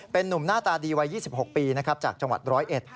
เป็นนุ่มหน้าตาดีวัย๒๖ปีนะครับจากจังหวัดร้อยเอ็ด